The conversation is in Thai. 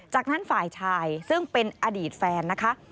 จากนั้นฝ่ายชายซึ่งเป็นอดีตแฟนนะคะ